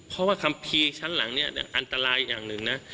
เพราะความพีชั้นหลังอันตรายอย่างหนึ่งนะ